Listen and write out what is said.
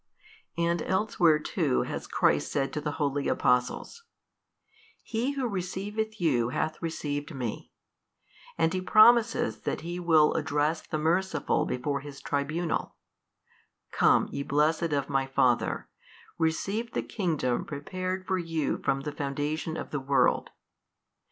And elsewhere too has Christ said to the holy Apostles, He who receiveth you hath received Me: and He promiseth that He will address the merciful before His Tribunal, Come, ye blessed of My Father, receive the kingdom prepared for you from the foundation of the world.